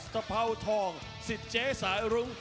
สะพาวทองสิทเจสายรุ้ง